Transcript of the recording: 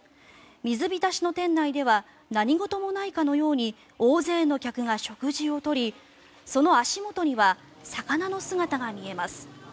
水浸しの店内では何事もないかのように大勢の客が食事を取りその足元には魚の姿が見えます。